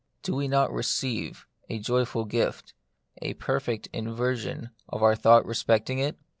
Do we not receive (a joyful gift) a perfect inversion of our thought respecting it?